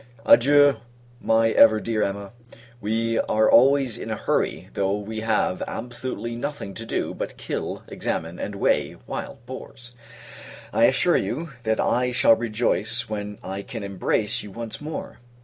Adieu, my ever dear Emma! We are always in a hurry; though we have, absolutely, nothing to do, but kill, examine, and weigh, wild boars. I assure you, that I shall rejoice when I can embrace you once more.